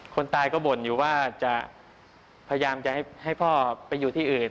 คนตายก็บ่นอยู่ว่าจะพยายามจะให้พ่อไปอยู่ที่อื่น